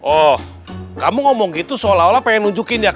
oh kamu ngomong gitu seolah olah pengen nunjukin ya